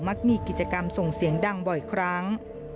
มีกิจกรรมส่งเสียงดังบ่อยครั้ง